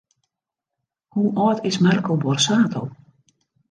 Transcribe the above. Hoe âld is Marco Borsato?